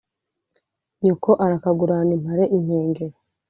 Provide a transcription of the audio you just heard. nyoko arakagurana impare impengeri